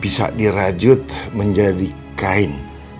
bisa dirajut menjadi kain